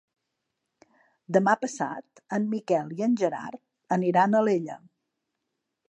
Demà passat en Miquel i en Gerard aniran a Alella.